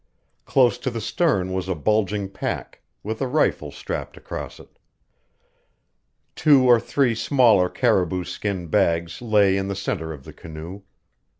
Close to the stern was a bulging pack, with a rifle strapped across it. Two or three smaller caribou skin bags lay in the center of the canoe.